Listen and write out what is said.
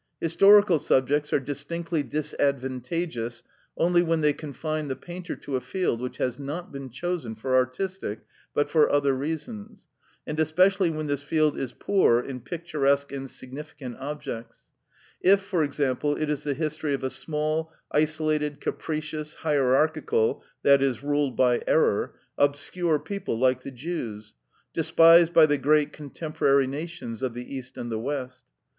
Historical subjects are distinctly disadvantageous only when they confine the painter to a field which has not been chosen for artistic but for other reasons, and especially when this field is poor in picturesque and significant objects—if, for example, it is the history of a small, isolated, capricious, hierarchical (i.e., ruled by error), obscure people, like the Jews, despised by the great contemporary nations of the East and the West.